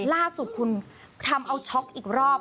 ล่าสุดคุณทำเอาช็อกอีกรอบ